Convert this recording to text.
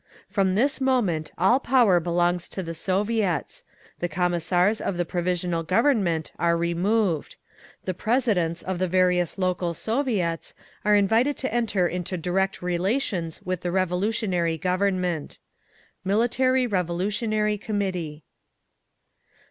"From this moment all power belongs to the Soviets. The Commissars of the Provisional Government are removed. The presidents of the various local Soviets are invited to enter into direct relations with the revolutionary Government." _Military Revolutionary Committee.